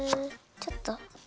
ちょっと。